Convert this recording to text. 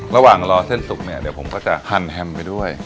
ระหว่างรอเส้นสุกเนี่ยเดี๋ยวผมก็จะฮันแฮมไปด้วย